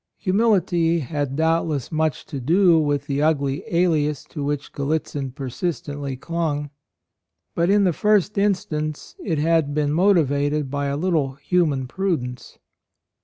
Humility had doubtless much to do with the ugly alias to which Gallitzin persistently clung; but in the first instance it had been motived by a little human prudence.